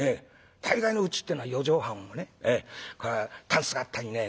大概のうちってえのは四畳半をねたんすがあったりね